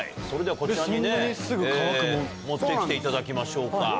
そんなにすぐ乾くもの？持って来ていただきましょうか。